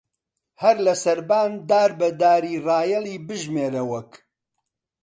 هەر لە سەربان دار بە داری ڕایەڵی بژمێرە وەک